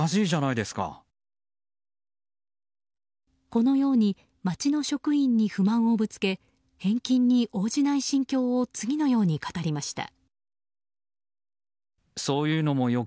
このように町の職員に不満をぶつけ返金に応じない心境を次のように語りました。